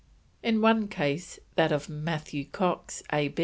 In one case, that of Mathew Cox, A.